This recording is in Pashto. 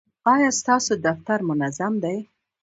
ایا ستاسو دفتر منظم دی؟